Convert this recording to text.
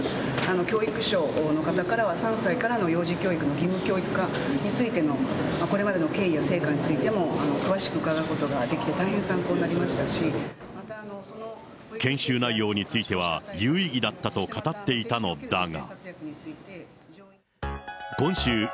教育省の方からは３歳からの幼児教育の義務教育化についてのこれまでの経緯や成果についても詳しく伺うことができて大変参考にな研修内容については有意義だったと語っていたのだが。